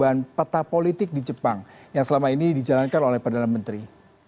pertama sekali apakah pergantian peta politik di jepang yang selama ini dijalankan oleh perdana menteri